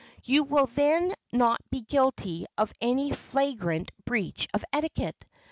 You will then not be guilty of any flagrant breach of etiquette.